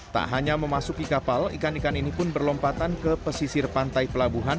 tak hanya memasuki kapal ikan ikan ini pun berlompatan ke pesisir pantai pelabuhan